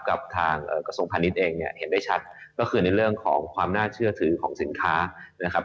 กับทางกระทรวงพาณิชย์เองเนี่ยเห็นได้ชัดก็คือในเรื่องของความน่าเชื่อถือของสินค้านะครับ